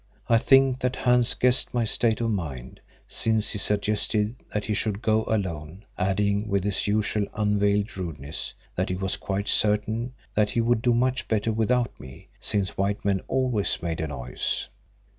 I think that Hans guessed my state of mind, since he suggested that he should go alone, adding with his usual unveiled rudeness, that he was quite certain that he would do much better without me, since white men always made a noise.